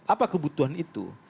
apa kebutuhan itu